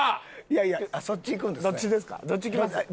いやいやそっちいくんですね？